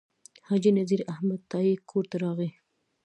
حاجي نذیر احمد تائي کور ته راغی.